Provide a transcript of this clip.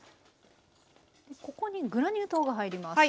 ここにグラニュー糖が入ります。